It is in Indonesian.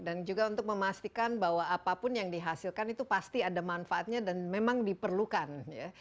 dan juga untuk memastikan bahwa apapun yang dihasilkan itu pasti ada manfaatnya dan memang diperlukan ya